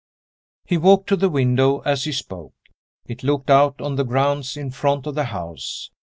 He walked to the window as he spoke. It looked out on the grounds in front of the house.